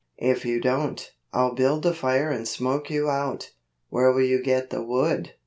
If you don't, I'll build a fire and smoke you out." "Where will you get the wood?"